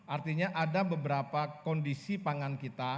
artinya ada beberapa kondisi pangan kita